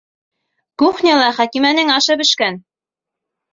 Кухняла Хәкимәнең ашы бешкән!